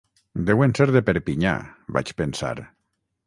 Deuen ser de Perpinyà, vaig pensar.